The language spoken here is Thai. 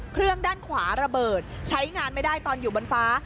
เครื่องด้านขวาระเบิดใช้งานไม่ได้ตอนอยู่บนฟ้า